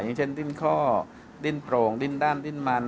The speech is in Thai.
อย่างเช่นดิ้นข้อดิ้นโปร่งดิ้นด้านดิ้นมัน